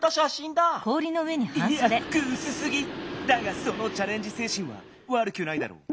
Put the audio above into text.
だがそのチャレンジせいしんはわるくないだろう。